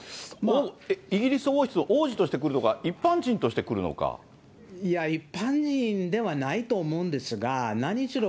イギリス王室の王子として来るのか、いや、一般人ではないと思うんですが、何しろ